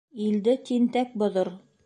Илде тинтәк боҙор.